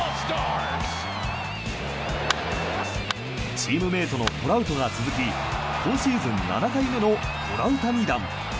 チームメートのトラウトが続き今シーズン７回目のトラウタニ弾。